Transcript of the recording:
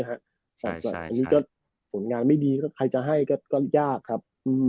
อันนี้ก็ผลงานไม่ดีก็ใครจะให้ก็ยากครับ